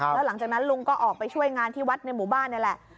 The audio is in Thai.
แล้วหลังจากนั้นลุงก็ออกไปช่วยงานที่วัดในหมู่บ้านนี่แหละ